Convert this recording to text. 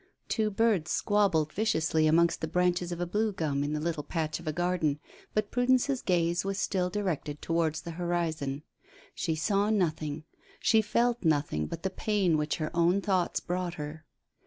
Two birds squabbled viciously amongst the branches of a blue gum in the little patch of a garden, but Prudence's gaze was still directed towards the horizon. She saw nothing; she felt nothing but the pain which her own thoughts brought her.